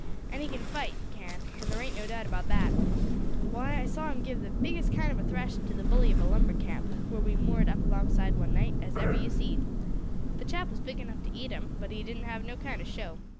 And he can fight, he can; there ain't no doubt about that. Why, I saw him give the biggest kind of a thrashing to the bully of a lumber camp, where we moored up alongside one night, as ever you seed. The chap was big enough to eat him, but he didn't have no kind of show.